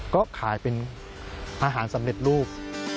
ก็ขายเป็นอาหารสำเร็จรูป